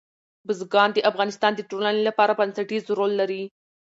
بزګان د افغانستان د ټولنې لپاره بنسټیز رول لري.